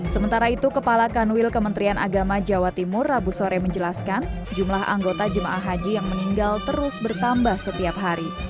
sementara itu kepala kanwil kementerian agama jawa timur rabu sore menjelaskan jumlah anggota jemaah haji yang meninggal terus bertambah setiap hari